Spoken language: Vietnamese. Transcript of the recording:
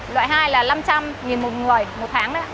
loại hai là năm trăm linh một người một tháng